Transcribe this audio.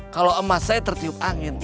kalau emas saya tertiup angin